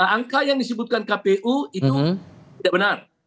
angka yang disebutkan kpu itu tidak benar